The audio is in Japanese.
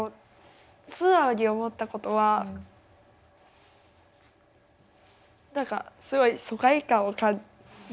素直に思ったことは何かすごい疎外感を感じました。